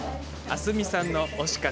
あすみさんの推し活